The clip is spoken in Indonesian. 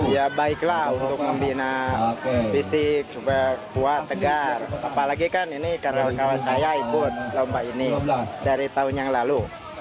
ya baiklah untuk membina fisik supaya kuat tegar apalagi kan ini karena kawan saya ikut lomba ini dari tahun yang lalu